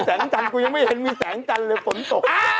แสงจันทร์กูยังไม่เห็นมีแสงจันทร์เลยฝนตก